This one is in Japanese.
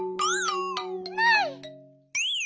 ない。